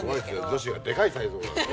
女子が「デカいサイズ」。